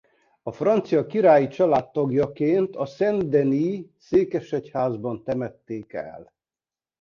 A francia királyi család tagjaként a Saint-Denis-székesegyházban temették el.